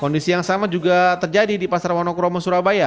kondisi yang sama juga terjadi di pasar wonokromo surabaya